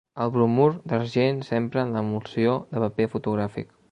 El bromur d'argent s'empra en l'emulsió de paper fotogràfic.